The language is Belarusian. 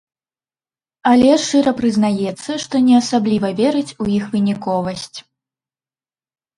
Але шчыра прызнаецца, што не асабліва верыць у іх выніковасць.